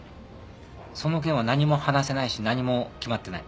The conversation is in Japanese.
その件は何も話せないし何も決まってない。